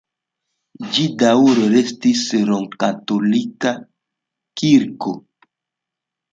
Ĝi daŭre restis romkatolika kirko.